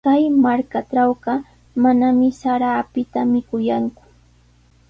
Kay markatrawqa manami sara apita mikuyanku.